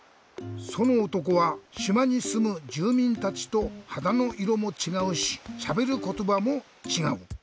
そのおとこはしまにすむじゅうみんたちとはだのいろもちがうししゃべることばもちがう。